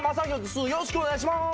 すごい！「よろしくお願いします」